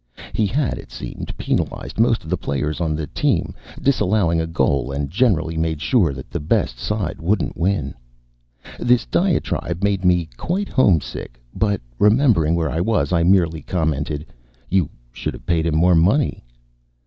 He had, it seemed, penalized most of the players on the team, disal lllustrated by WOOD THE STROKE OF THE SUN 71 lowing a goal, and generally made sure that the best side wouldn't win. This diatribe made me quite homesick, but remembering where I was, I merely commented, "You should have paid him more money."